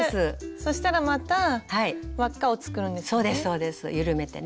そしたらまた輪っかを作るんですよね。